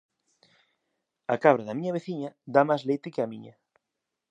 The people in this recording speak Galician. A cabra da miña veciña dá máis leite que a miña